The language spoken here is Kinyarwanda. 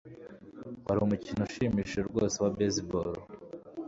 Wari umukino ushimishije rwose wa baseball.